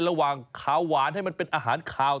ระหว่างขาวหวานให้มันเป็นอาหารขาว